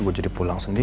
gue jadi pulang sendiri